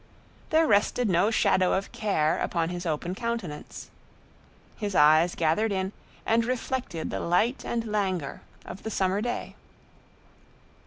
There rested no shadow of care upon his open countenance. His eyes gathered in and reflected the light and languor of the summer day.